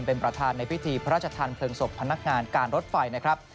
เป็นประธานในพิธีพระราชทานเพลิงศพพนักงานการรถไฟนะครับ